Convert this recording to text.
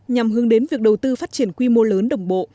nhằm hướng đến việc đầu tư phát triển quy mô lớn đồng bộ